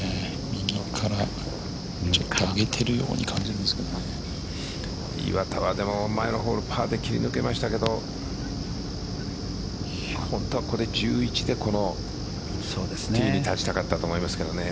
右からちょっと上げているように岩田は前のホールパーで切り抜けましたけど本当は、１１でこのティーに立ちたかったと思いますけどね。